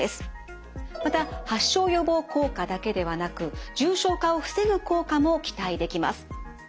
また発症予防効果だけではなく重症化を防ぐ効果も期待できます。